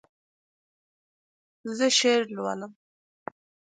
زه شعر لولم.